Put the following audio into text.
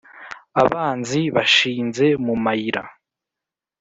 abanzi bashinze mu mayira